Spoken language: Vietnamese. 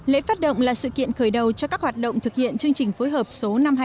lễ phát động là sự kiện khởi đầu cho các hoạt động thực hiện chương trình phối hợp số năm trăm hai mươi